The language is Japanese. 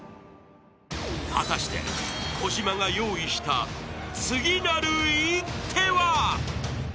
［果たして小島が用意した次なる一手は］